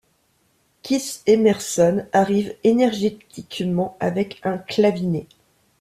Keith Emerson arrive énergetiquement avec un Clavinet.